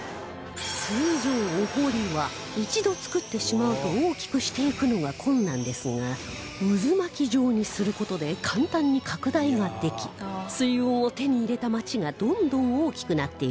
通常お堀は一度造ってしまうと大きくしていくのが困難ですが渦巻き状にする事で簡単に拡大ができ水運を手に入れた町がどんどん大きくなっていきます